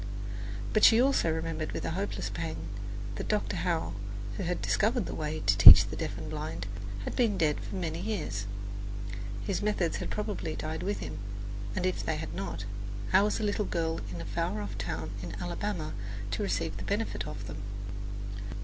But she also remembered with a hopeless pang that Dr. Howe, who had discovered the way to teach the deaf and blind, had been dead many years. His methods had probably died with him; and if they had not, how was a little girl in a far off town in Alabama to receive the benefit of them?